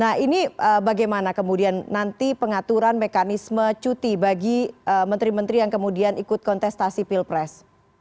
nah ini bagaimana kemudian nanti pengaturan mekanisme cuti bagi menteri menteri yang kemudian ikut kontestasi pilpres